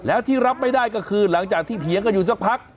แล้วที่รับไม่ได้ก็คือหลังจากที่เถียงกันอยู่สักพัก